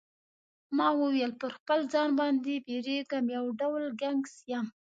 ما وویل پر خپل ځان باندی بیریږم یو ډول ګنګس یم.